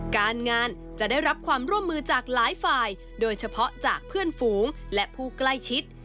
การงานจะได้รับความร่วมมือจากหลายฝ่ายโดยเฉพาะจากเพื่อนฝูงและผู้ใกล้ชิด